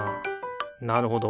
なるほど。